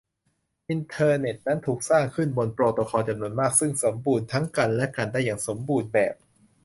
อินเทอร์เน็ตนั้นถูกสร้างขึ้นบนโปรโตคอลจำนวนมากซึ่งสมบูรณ์ซึ่งกันและกันได้อย่างสมบูรณ์แบบ